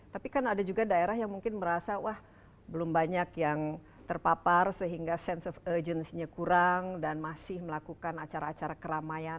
tapi kan ada juga daerah yang mungkin merasa wah belum banyak yang terpapar sehingga sense of urgency nya kurang dan masih melakukan acara acara keramaian